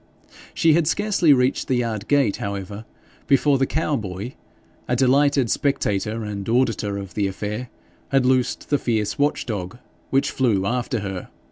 She had scarcely reached the yard gate, however, before the cow boy, a delighted spectator and auditor of the affair, had loosed the fierce watch dog, which flew after her.